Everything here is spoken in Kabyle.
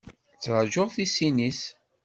Ttṛaǧǧuɣ tisin-is.